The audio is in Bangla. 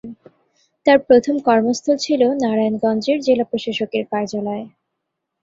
তার প্রথম কর্মস্থল ছিল নারায়ণগঞ্জের জেলা প্রশাসকের কার্যালয়।